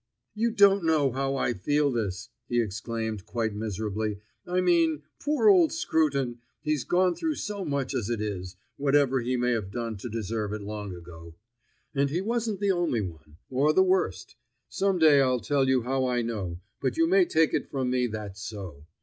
"You don't know how I feel this!" he exclaimed quite miserably. "I mean about poor old Scruton; he's gone through so much as it is, whatever he may have done to deserve it long ago. And he wasn't the only one, or the worst; some day I'll tell you how I know, but you may take it from me that's so.